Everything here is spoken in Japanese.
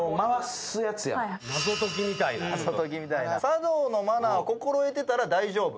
茶道のマナーを心得てたら大丈夫？